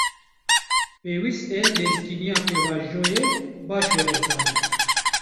Pêwîst e lezgîniya pêvajoyê, baş were zanîn